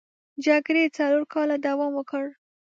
جګړې څلور کاله دوام وکړ.